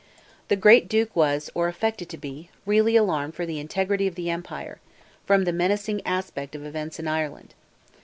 The great duke was, or affected to be, really alarmed for the integrity of the empire, from the menacing aspect of events in Ireland.